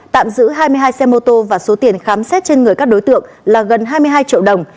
tạm giữ hai mươi hai xe mô tô và số tiền khám xét trên người các đối tượng là gần hai mươi hai triệu đồng